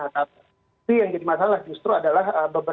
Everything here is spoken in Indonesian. tapi yang jadi masalah justru adalah